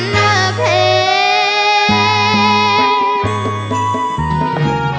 หน้าแพง